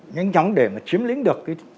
nhanh chóng để mà chiếm lính được